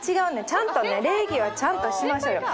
ちゃんとね礼儀はちゃんとしましょうよ。